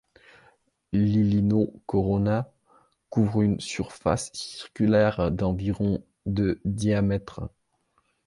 Lilinau Corona couvre une surface circulaire d'environ de diamètre.